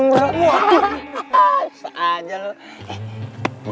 waduh bisa aja lu